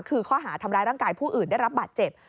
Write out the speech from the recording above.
คือข้อหาทำร้ายร่างกายผู้อื่นได้รับบาดเจ็บ